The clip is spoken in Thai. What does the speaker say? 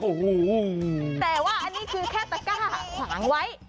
โอ้โหแต่ว่าอันนี้คือแค่ตะก้าขวางไว้